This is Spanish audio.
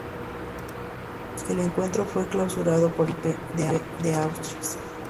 El encuentro fue clausurado por el Príncipe de Asturias.